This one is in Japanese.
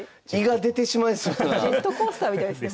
ジェットコースターみたいですね